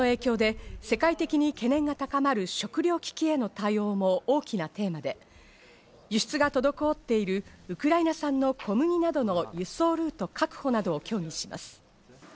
侵攻の影響で世界的に懸念が高まる食料危機への対応も大きなテーマで、輸出が滞っているウクライナ産の小麦などの輸送ルート確保などを協議します。